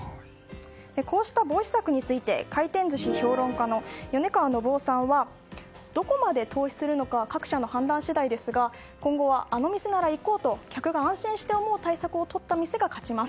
こうした防止策について回転寿司評論家の米川伸生さんはどこまで投資するのかは各社の判断次第ですが、今後はあの店なら行こうと客が安心して思う対策をとった店が勝ちます。